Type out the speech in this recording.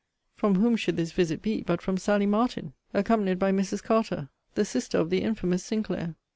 From whom should this visit be, but from Sally Martin, accompanied by Mrs. Carter, the sister of the infamous Sinclair!